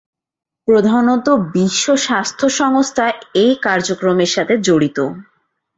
প্রধানতঃ বিশ্ব স্বাস্থ্য সংস্থা এ কার্যক্রমের সাথে জড়িত।